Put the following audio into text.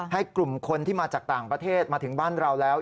ให้กลุ่มคนที่มาจากต่างประเทศมาถึงบ้านเราแล้ว